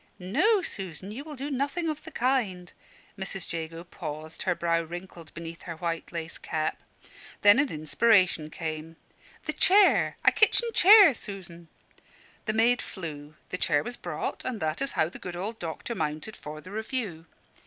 "No, Susan, you will do nothing of the kind." Mrs. Jago paused, her brow wrinkled beneath her white lace cap. Then an inspiration came "The chair a kitchen chair, Susan!" The maid flew; the chair was brought; and that is how the good old doctor mounted for the review.